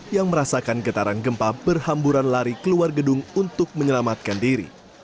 yang merasakan getaran gempa berhamburan lari keluar gedung untuk menyelamatkan diri